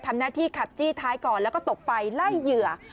ทำหน้าที่ขับจี้ท้ายก่อนแล้วก็ตกไปไล่เหยื่อ